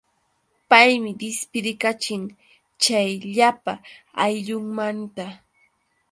Paymi dispidikachin chay llapa ayllunmanta.